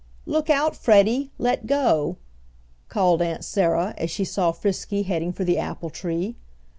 "Look out, Freddie! Let go!" called Aunt Sarah as she saw Frisky heading for the apple tree.